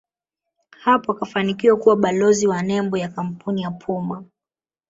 hapo akafanikiwa kuwa balozi wa nembo ya kampuni ya Puma